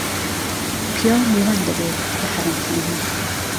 پیاو میوان دهبێ له حەرەمخانه